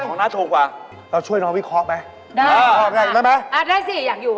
ของน้ำถูกกว่าเราช่วยน้องวิเคราะห์ไปได้ได้ไหมได้สิอยากอยู่